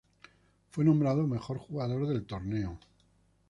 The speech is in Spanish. Fue nombrado mejor jugador del torneo.